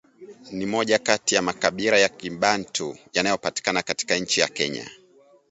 Ni moja kati ya makabila ya Kibantu yanayopatikana katika nchi ya Kenya